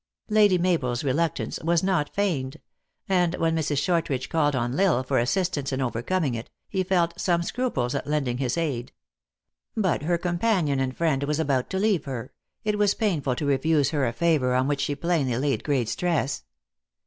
Lady Mabel s reluctance was not feigned ; and when Mrs. Shortridge called on L Isle for assistance in overcoming it, he felt some scruples at lending his aid. But her companion and friend was about to leave her; it was painful to refuse her a favor on which she plainly laid great stress.